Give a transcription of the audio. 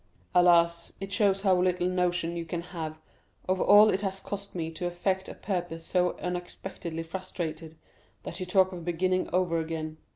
"Alas, it shows how little notion you can have of all it has cost me to effect a purpose so unexpectedly frustrated, that you talk of beginning over again.